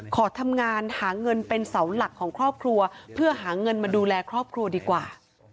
ขอทำงานหาเงินเป็นเสาหลักของครอบครัวเพื่อหาเงินมาดูแลครอบครัวดีกว่า